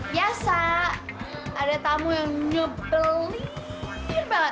biasa ada tamu yang nyebelin banget